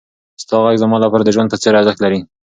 ستا غږ زما لپاره د ژوند په څېر ارزښت لري.